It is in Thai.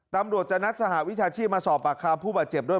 ตำรวจจะนัดสหวิชาชีพมาสอบปากคำผู้บาดเจ็บด้วย